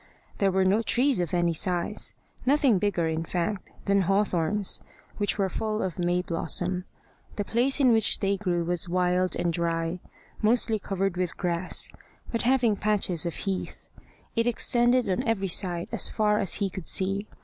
There were no trees of any size; nothing bigger in fact than hawthorns, which were full of may blossom. The place in which they grew was wild and dry, mostly covered with grass, but having patches of heath. It extended on every side as far as he could see.